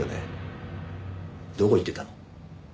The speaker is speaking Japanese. どこ行ってたの？